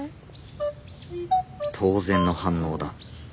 当然の反応だ。